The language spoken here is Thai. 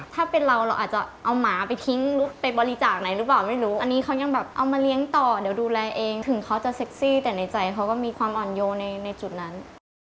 แต่ในใจเขาก็มีความอ่อนโยในจุดนั้น